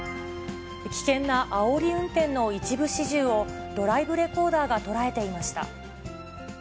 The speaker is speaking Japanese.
危険なあおり運転の一部始終を、ドライブレコーダーが捉えていました。